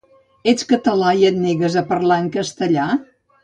Ets català i et negues a parlar en castellà?